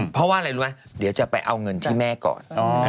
เพราะว่าอะไรรู้ไหมเดี๋ยวจะไปเอาเงินที่แม่ก่อน